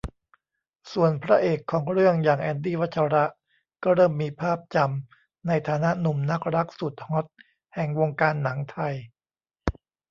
ส่วนพระเอกของเรื่องอย่าง แอนดี้ วัชระ ก็เริ่มมีภาพจำในฐานะหนุ่มนักรักสุดฮอตแห่งวงการหนังไทย